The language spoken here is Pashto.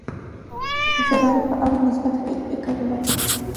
زه د ځان په اړه مثبت فکر لرم.